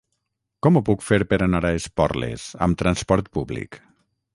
Com ho puc fer per anar a Esporles amb transport públic?